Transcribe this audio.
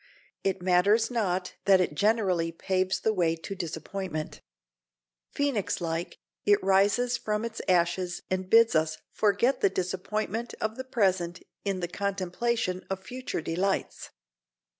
It matters not that it generally paves the way to disappointment. Phœnix like it rises from its ashes and bids us forget the disappointment of the present in the contemplation of future delights.